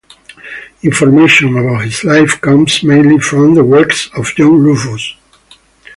Information about his life comes mainly from the works of John Rufus.